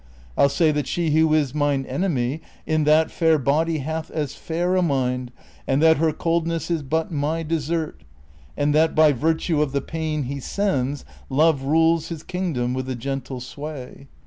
I'll say that she who is mine enemy In that fair body hath as fair a mind. And that her coldness is but my desert, And that by virtue of the pain he sends Love rules his kingdom with a gentle sway.